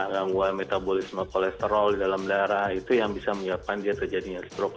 gangguan metabolisme kolesterol di dalam darah itu yang bisa menyebabkan dia terjadinya stroke